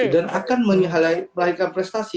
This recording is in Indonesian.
dan akan melahirkan prestasi